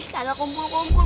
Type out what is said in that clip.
kagak kumpul kumpul